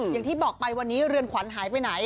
อย่างที่บอกไปวันนี้เรือนขวัญหายไปไหน